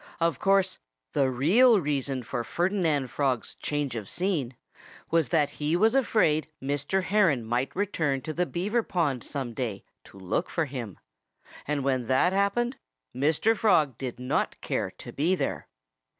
Of course, the real reason for Ferdinand Frog's change of scene was that he was afraid Mr. Heron might return to the Beaver pond some day, to look for him. And when that happened, Mr. Frog did not care to be there.